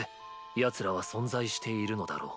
ヤツらは存在しているのだろう。